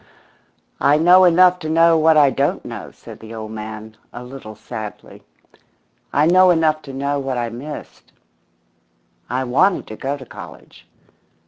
"I know enough to know what I don't know," said the old man, a little sadly. "I know enough to know what I missed. I wanted to go to college.